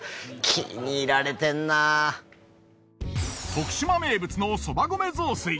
徳島名物のそば米雑炊。